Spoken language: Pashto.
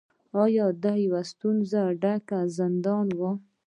دا یو ډیر ستونزو ډک زندان و.